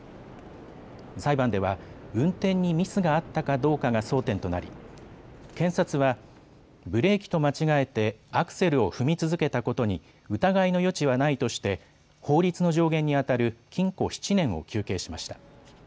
裁判では運転にミスがあったかどうかが争点となり検察はブレーキと間違えてアクセルを踏み続けたことに疑いの余地はないとして法律の上限にあたる禁錮７年を求刑しました。